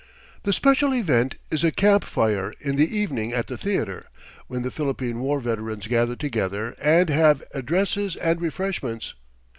The special event is a "camp fire" in the evening at the theater, when the Philippine war veterans gather together and have addresses and refreshments.